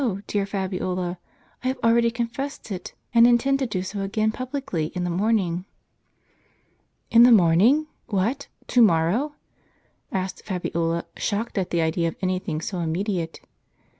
dear Fabiola ; I have already confessed it, and intend to do so again publicly in the morning." "In the morning! — what, to morrow?" asked Fabiola, shocked at the idea of any thing so immediate.